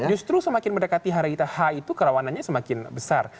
justru semakin mendekati hari kita h itu kerawanannya semakin besar